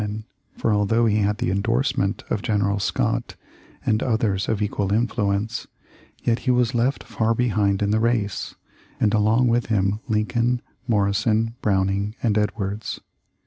39 ] Hoosier stateman, for although he had the endorse ment of General Scott and others of equal influence, yet he was left far behind in the race, and along with him Lincoln, Morrison, Browning, and Edwards.